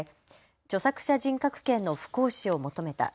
著作者人格権の不行使を求めた。